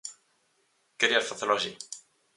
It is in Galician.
Querías facelo así?